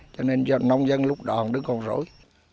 cho nên cho nông dân lúc đòn đứng còn rỗi